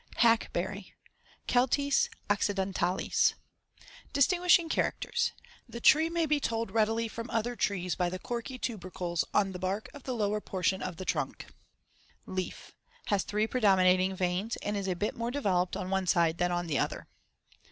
HACKBERRY (Celtis occidentalis) Distinguishing characters: The tree may be told readily from other trees by the *corky tubercles* on the bark of the lower portion of the trunk. See Fig. 56. Leaf: Has three predominating veins and is a bit more developed on one side than on the other.